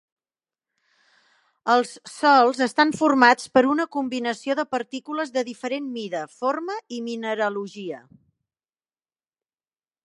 Els sòls estan formats per una combinació de partícules de diferent mida, forma i mineralogia.